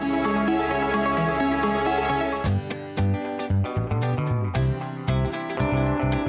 sehingga bisa menjaga kepentingan kota